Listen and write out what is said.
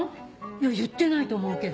いや言ってないと思うけど。